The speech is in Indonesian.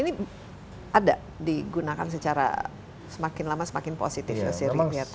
ini ada digunakan secara semakin lama semakin positif ya sering dilihat ya